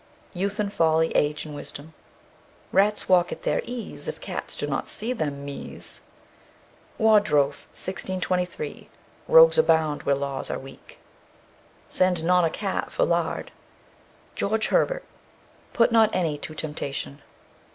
"Youth and Folly, Age and Wisdom." Rats walk at their ease if cats do not them meese. WODROEPHE, 1623. Rogues abound where laws are weak. Send not a cat for lard. GEORGE HERBERT. Put not any to temptation.